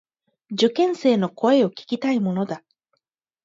受験生の声を聞きたいものだ。